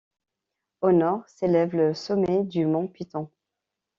Au nord s'élève le sommet du Mons Piton.